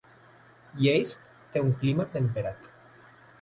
Yeysk té un clima temperat.